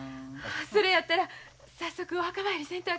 それやったら早速お墓参りせんとあきませんね。